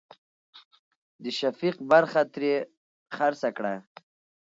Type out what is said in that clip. د شفيق برخه ترې خرڅه کړه.